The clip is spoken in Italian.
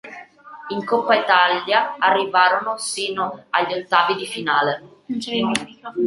In Coppa Italia arrivarono sino agli ottavi di finale.